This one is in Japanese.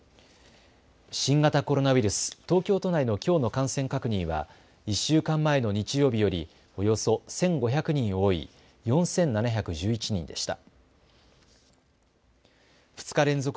新型コロナウイルス、東京都内のきょうの感染確認は１週間前の日曜日よりおよそ１５００人多い４７１１人でした。